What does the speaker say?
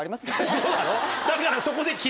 そうだろ？